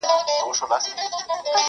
اوس یې زیارت ته په سېلونو توتکۍ نه راځي،